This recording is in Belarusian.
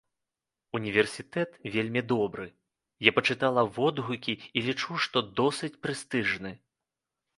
Універсітэт вельмі добры, я пачытала водгукі, і лічу, што досыць прэстыжны.